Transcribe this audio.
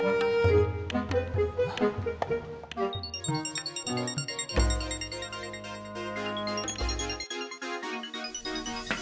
kamu bisa jalan